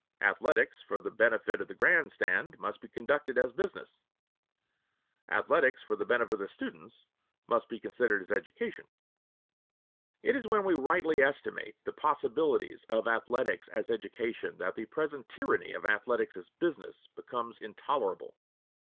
Athletics for the benefit of the grandstand must be conducted as business; athletics for the benefit of students must be conducted as education. III It is when we rightly estimate the possibilities of athletics as education that the present tyranny of athletics as business becomes intolerable.